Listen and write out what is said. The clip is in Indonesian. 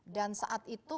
dan saat itu